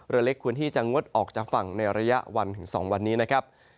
เรือเล็กควรที่จะงดออกจากฝั่งในระยะวันถึง๒วันนี้นะครับ